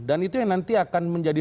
dan itu yang nanti akan menjadi